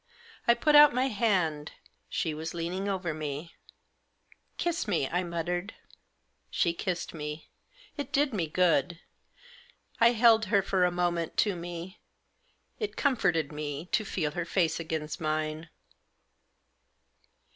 I put out my hand. She was leaning over me. " Kiss me," I muttered. She kissed me. It did me good. I held her, for a moment, to me. It comforted me to feel her face against mine.